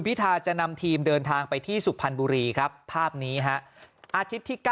พิธาจะนำทีมเดินทางไปที่สุพรรณบุรีครับภาพนี้ฮะอาทิตย์ที่๙